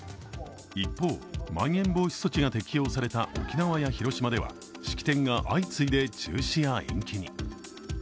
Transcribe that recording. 一方、まん延防止措置が適用された沖縄や広島では式典が相次いで中止や延期に。